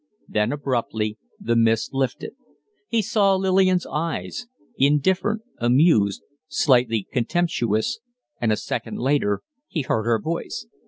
Then, abruptly, the mist lifted. He saw Lillian's eyes indifferent, amused, slightly contemptuous; and a second later he heard her voice.